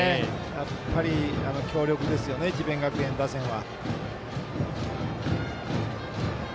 やっぱり強力ですよね智弁学園打線は。